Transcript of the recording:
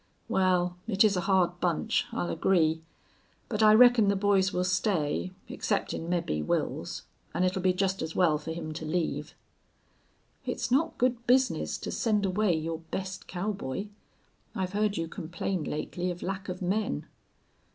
"Wal, it is a hard bunch, I'll agree. But I reckon the boys will stay, exceptin', mebbe, Wils. An' it'll be jest as well fer him to leave." "It's not good business to send away your best cowboy. I've heard you complain lately of lack of men."